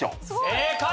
正解！